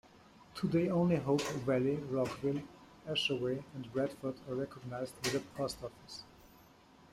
Today only Hope Valley, Rockville, Ashaway, and Bradford are recognized with a post office.